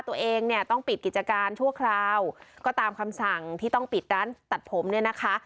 ตัวเองเนี่ยต้องปิดกิจการชั่วคราวก็ตามคำสั่งที่ต้องปิดร้านตัดผมเนี่ยนะคะ